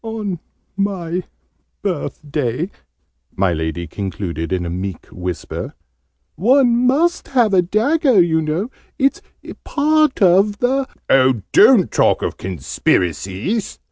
"On my birthday," my Lady concluded in a meek whisper. "One must have a dagger, you know. It's part of the " "Oh, don't talk of Conspiracies!"